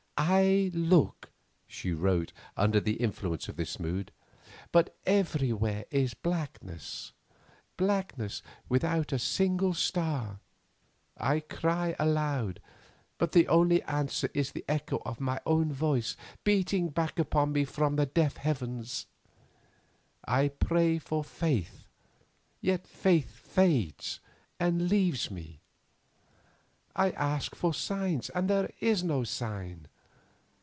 "I look," she wrote under the influence of this mood, "but everywhere is blackness; blackness without a single star. I cry aloud, but the only answer is the echo of my own voice beating back upon me from the deaf heavens. I pray for faith, yet faith fades and leaves me. I ask for signs, and there is no sign.